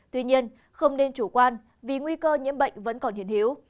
tuy nhiên không nên chủ quan vì nguy cơ nhiễm bệnh vẫn còn hiện hiếu